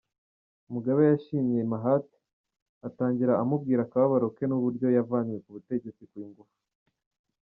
Mugabe yashimiye Mahamat, atangira amubwira akababaro ke n’uburyo yavanywe ku butegetsi ku ngufu.